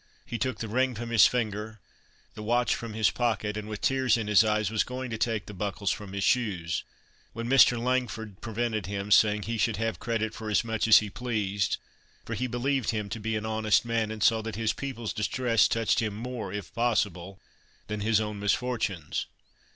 He took the ring from his finger, the watch from his pocket, and, with tears in his eyes was going to take the buckles from his shoes, when Mr. Langford prevented him, saying he should have credit for as much as he pleased, for he believed him to be an honest man, and saw that his people's distress touched him more, if possible, than his own misfortunes.